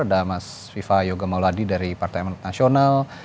ada mas viva yogyamalwadi dari partai emanet nasional